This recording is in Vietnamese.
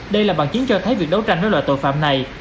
đây là bằng chiến cho thấy việc đấu tranh với loại tội phạm này